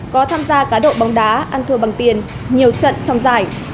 có tham gia cá độ bóng đá ăn thua bằng tiền nhiều trận trong giải